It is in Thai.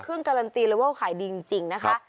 เครื่องการันตีเลยว่าขายดีจริงนะคะ